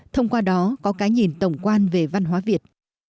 thông qua đó có cái nhìn tổng quan về văn hóa việt